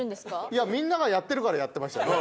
いやみんながやってるからやってましたよね。